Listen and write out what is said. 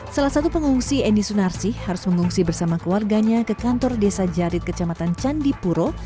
salah satu pengungsi endi sunarsi harus mengungsi bersama keluarganya ke kantor desa jarit kecamatan candipuro